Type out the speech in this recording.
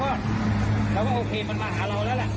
เราก็โอเคมันมาหาเราแล้วแหละ